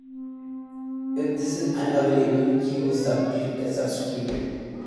If this is unavailable, "q" is substituted.